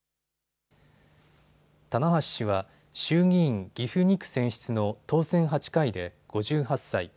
棚橋氏は衆議院岐阜２区選出の当選８回で５８歳。